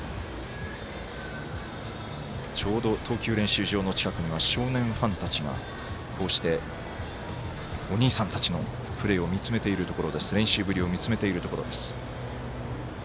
ちょうど投球練習場の近くには少年ファンたちが、こうしてお兄さんたちの練習ぶりを見つめているところです。